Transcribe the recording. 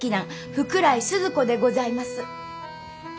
福来スズ子でございます。